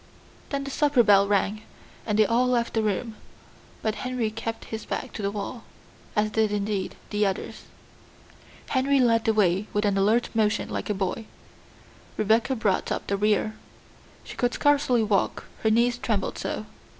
Then the supper bell rang, and they all left the room, but Henry kept his back to the wall as did, indeed, the others. Henry led the way with an alert motion like a boy; Rebecca brought up the rear. She could scarcely walk, her knees trembled so.